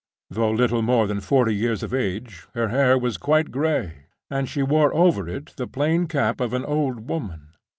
Though little more than forty years of age, her hair was quite gray; and she wore over it the plain cap of an old woman.